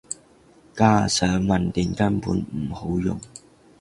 加上混電根本唔好用